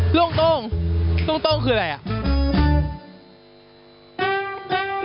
โหล่งต้องคืออะไร